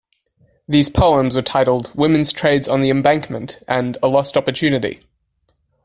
These poems were titled 'Women's Trades on the Embankment' and 'A Lost Opportunity'.